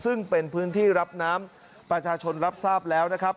ซึ่งเป็นพื้นที่รับน้ำประชาชนรับทราบแล้วนะครับ